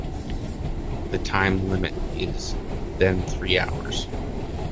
The time limit is then three hours.